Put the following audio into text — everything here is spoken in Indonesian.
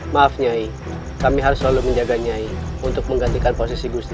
maaf nyai kami harus selalu menjaga nyai untuk menggantikan posisi gusti